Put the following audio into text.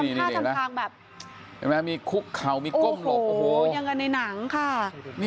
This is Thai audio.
เห็นยังไงมีก้มขาวมีก้มหลบอะค่ะโอ้โหอย่างในนั้นแหละ